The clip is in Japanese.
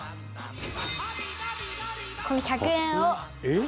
「この１００円を」